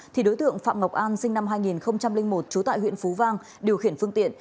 thì đối tượng phạm ngọc an sinh năm hai nghìn một trú tại huyện phú vang điều khiển phương tiện